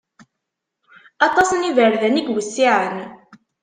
Aṭas n iberdan i iwessiɛen.